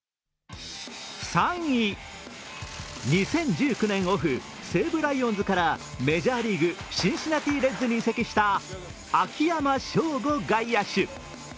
３位、２０１９年、西武ライオンズからメジャーリーグ、シンシナティ・レッズに移籍した秋山翔吾外野手。